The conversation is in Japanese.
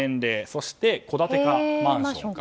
そして戸建てかマンションか。